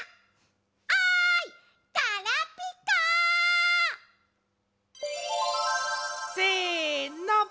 おいガラピコ！せの！